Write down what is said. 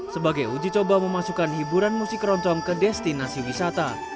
sebagai uji coba memasukkan hiburan musik keroncong ke destinasi wisata